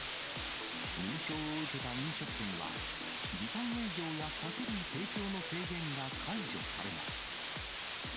認証を受けた飲食店は、時短営業や酒類提供の制限が解除されます。